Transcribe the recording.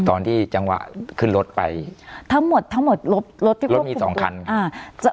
ตอนที่จังหวะขึ้นรถไปทั้งหมดทั้งหมดรถรถมีสองคันอ่า